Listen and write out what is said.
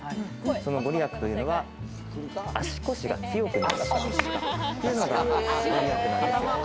その御利益というのは、足腰が強くなるというのが、御利益なんですよ。